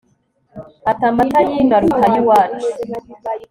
Ati Amata yino aruta ayiwacu